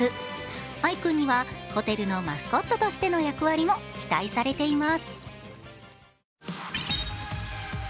藍君にはホテルのマスコットとしての役割も期待されています。